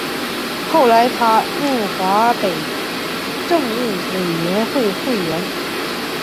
后来他任华北政务委员会委员。